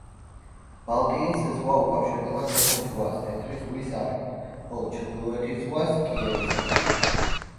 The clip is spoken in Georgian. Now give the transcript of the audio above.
ბალტიის ზღვა უკავშირდება თეთრ ზღვას თეთრი ზღვის არხით, ხოლო ჩრდილოეთის ზღვას კიელის არხით.